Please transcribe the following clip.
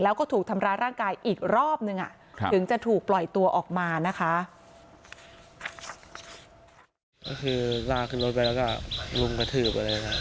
รุมกระถืบกระเลยค่ะ๘คนครับ